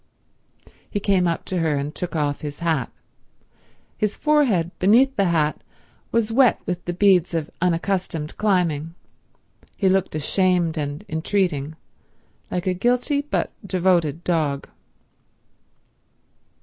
He came up to her and took off his hat. His forehead beneath the hat was wet with the beads of unaccustomed climbing. He looked ashamed and entreating, like a guilty but devoted dog.